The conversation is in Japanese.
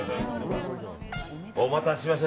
お待たせしました